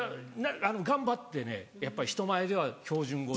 頑張ってねやっぱり人前では標準語を。